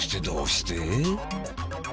どうして？